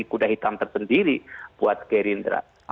kuda hitam tersendiri buat gerindra